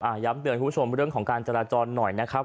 ย้ำเตือนคุณผู้ชมเรื่องของการจราจรหน่อยนะครับ